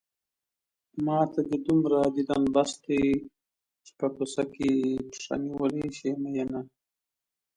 ماته دې دومره ديدن بس دی چې په کوڅه کې پښه نيولی شې مينه